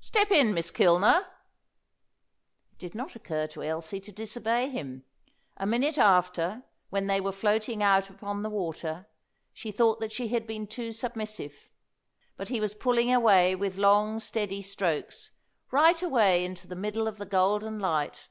Step in, Miss Kilner." It did not occur to Elsie to disobey him. A minute after, when they were floating out upon the water, she thought that she had been too submissive. But he was pulling away with long, steady strokes, right away into the middle of the golden light.